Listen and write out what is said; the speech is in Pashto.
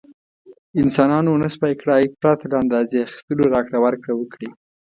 انسانانو ونشو کړای پرته له اندازې اخیستلو راکړه ورکړه وکړي.